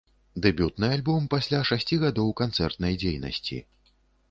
Дэбютны альбом, пасля шасці гадоў канцэртнай дзейнасці.